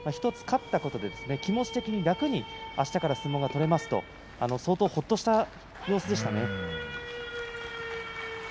１つ勝ったことで気持ち的に楽にあしたから相撲が取れますと相当ほっとした様子でしたね。